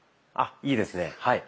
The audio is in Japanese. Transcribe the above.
あいいですね。